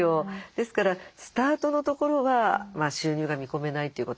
ですからスタートのところは収入が見込めないということ。